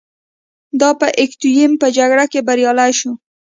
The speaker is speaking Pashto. دا په اکتیوم په جګړه کې بریالی شو